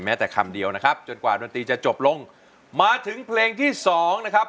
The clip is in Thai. แต่คำเดียวนะครับจนกว่าดนตรีจะจบลงมาถึงเพลงที่สองนะครับ